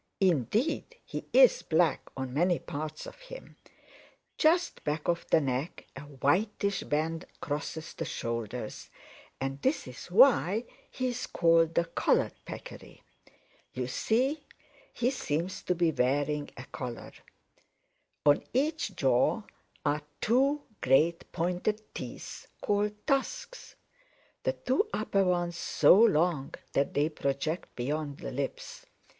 Indeed he is black on many parts of him. Just back of the neck a whitish band crosses the shoulders, and this is why he is called the Collared Peccary. You see he seems to be wearing a collar. On each jaw are two great pointed teeth called tusks, the two upper ones so long that they project beyond the lips.